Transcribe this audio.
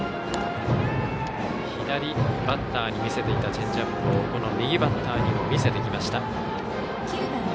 左バッターに見せていたチェンジアップをこの右バッターにも見せてきました。